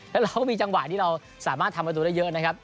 แล้วเราก็มีจังหวะที่เราสามารถทำประตูได้เยอะนะครับ